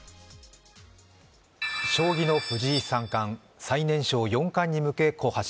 将棋の藤井三冠、最年少四冠に向けて発進。